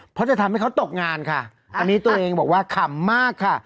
เพราะจะทำให้เขาตกงานค่ะอันนี้ตัวเองบอกว่าขำมากค่ะ